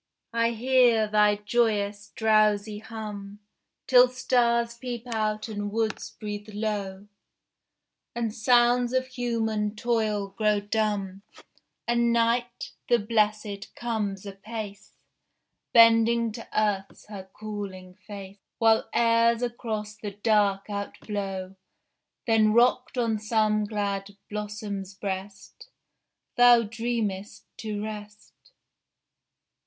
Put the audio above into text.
I hear thy joyous, drowsy hum, Till stars peep out and woods breathe low, And sounds of human toil grow dumb, And Night, the blessèd, comes apace, Bending to Earth's her cooling face, While airs across the dark outblow: Then rocked on some glad blossom's breast, Thou dreamest to rest.